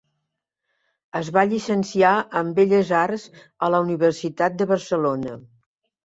Es va llicenciar en Belles Arts a la Universitat de Barcelona.